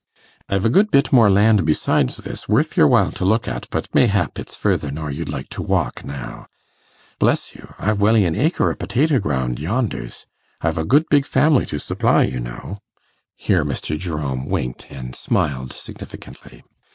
'I've a good bit more land besides this, worth your while to look at, but mayhap it's further nor you'd like to walk now. Bless you! I've welly an' acre o' potato ground yonders; I've a good big family to supply, you know.' (Here Mr. Jerome winked and smiled significantly.)